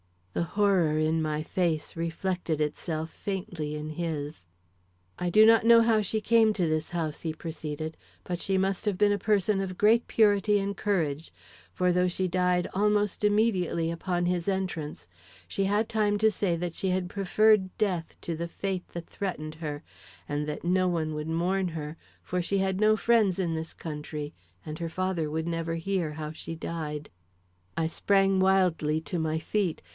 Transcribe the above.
The horror in my face reflected itself faintly in his. "I do not know how she came to this house," he proceeded; "but she must have been a person of great purity and courage; for though she died almost immediately upon his entrance, she had time to say that she had preferred death to the fate that threatened her, and that no one would mourn her for she had no friends in this country, and her father would never hear how she died." I sprang wildly to my feet.